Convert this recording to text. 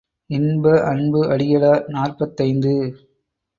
இன்ப அன்பு அடிகளார் நாற்பத்தைந்து.